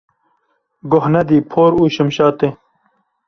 Goh nedî por û şimşatê.